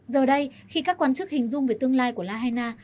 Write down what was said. giờ đây khi các quan chức hình dung về tương lai của lahaina